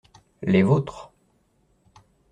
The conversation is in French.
Les vôtres.